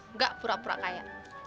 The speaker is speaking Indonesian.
nggak pura pura kaya